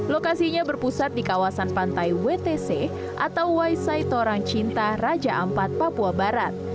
lokasinya berpusat di kawasan pantai wtc atau waisai torang cinta raja ampat papua barat